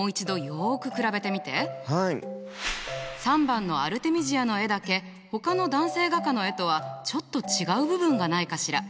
３番のアルテミジアの絵だけほかの男性画家の絵とはちょっと違う部分がないかしら？